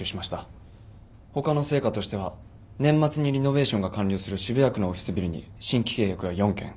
他の成果としては年末にリノベーションが完了する渋谷区のオフィスビルに新規契約が４件。